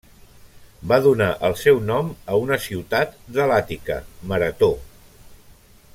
Va donar el seu nom a una ciutat de l'Àtica, Marató.